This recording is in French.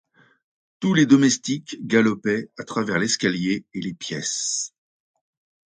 Tous les domestiques galopaient à travers l'escalier et les pièces.